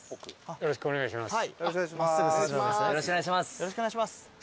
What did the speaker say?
よろしくお願いします。